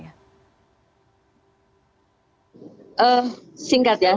singkat ya saya seringkali menyampaikan tentang psychological check up